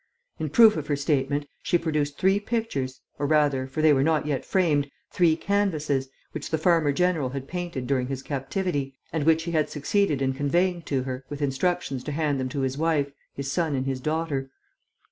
In proof of her statement, she produced three pictures, or rather, for they were not yet framed, three canvases, which the farmer general had painted during his captivity and which he had succeeded in conveying to her, with instructions to hand them to his wife, his son and his daughter.